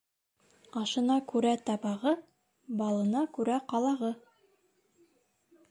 Ашына күрә табағы, балына күрә ҡалағы.